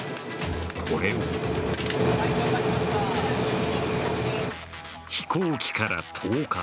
これを飛行機から投下。